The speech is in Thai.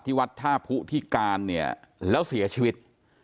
ที่วัดท่าผู้ที่การแล้วเสียชีวิต